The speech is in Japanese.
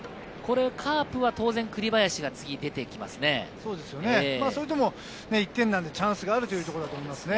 カープは当然、次は栗林それでも１点になるチャンスがあるということだと思いますね。